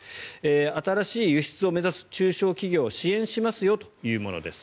新しい輸出を目指す中小企業を支援しますよというものです。